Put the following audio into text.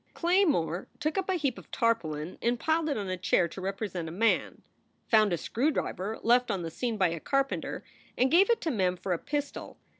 Claymore took up a heap of tarpaulin and piled it on a chair to represent a man, found a screw driver left on the scene by a carpenter, and gave it to Mem for a pistol.